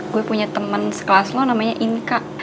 gue punya teman sekelas lo namanya inka